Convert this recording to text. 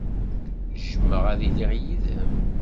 Jjmeɣ ad iliɣ yid-m.